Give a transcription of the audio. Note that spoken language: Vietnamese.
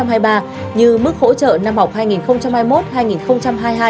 như mức hỗ trợ năm học hai nghìn hai mươi một hai nghìn hai mươi hai